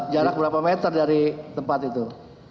jarak berapa meter dari tempat itu